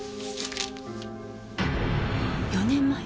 ４年前。